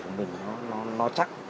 của mình nó chắc